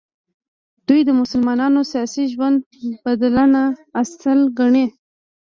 دوی د مسلمانانو سیاسي ژوند بدلانه اصل ګڼي.